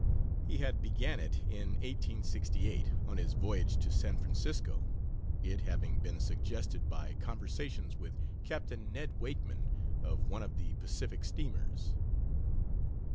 He had began it in 1868, on his voyage to San Francisco, it having been suggested by conversations with Capt. Ned Wakeman, of one of the Pacific steamers.